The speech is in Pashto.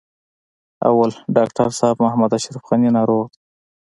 اول: ډاکټر صاحب محمد اشرف غني ناروغ دی.